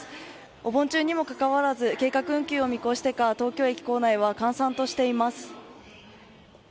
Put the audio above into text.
お盆中にもかかわらず、計画運休を見越してか、東京駅構内は閑散としています。